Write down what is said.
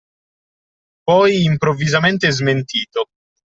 Poi improvvisamente smentito.